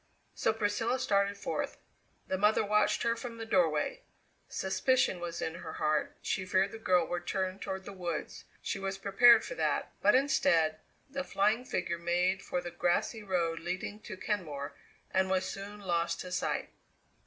So Priscilla started forth. The mother watched her from the doorway. Suspicion was in her heart; she feared the girl would turn toward the woods; she was prepared for that, but instead, the flying figure made for the grassy road leading to Kenmore and was soon lost to sight.